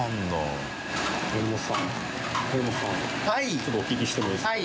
ちょっとお聞きしてもいいですか？